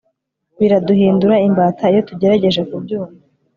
biraduhindura imbata iyo tugerageje kubyumva